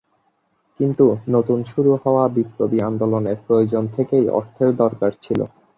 কিন্তু নতুন শুরু হওয়া বিপ্লবী আন্দোলনের প্রয়োজন থেকেই অর্থের দরকার ছিলো।